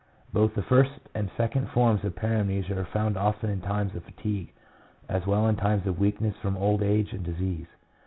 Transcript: Both the first and second forms of paramnesia are found often in times of fatigue as well as in times of weakness from old age and disease.